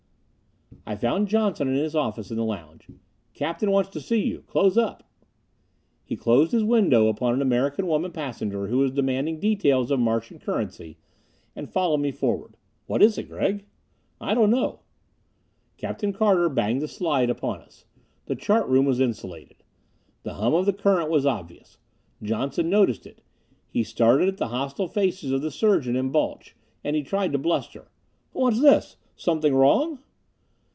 I found Johnson in his office in the lounge. "Captain wants to see you. Close up." He closed his window upon an American woman passenger who was demanding details of Martian currency, and followed me forward. "What is it, Gregg?" "I don't know." Captain Carter banged the slide upon us. The chart room was insulated. The hum of the current was obvious. Johnson noticed it. He started at the hostile faces of the surgeon and Balch. And he tried to bluster. "What is this? Something wrong?"